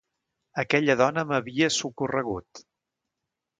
Aquella dona m’havia socorregut.